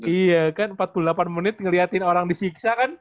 iya kan empat puluh delapan menit ngelihatin orang disiksa kan